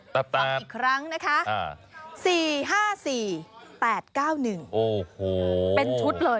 ปั๊บอีกครั้งนะคะสี่ห้าสี่แปดเก้าหนึ่งโอ้โห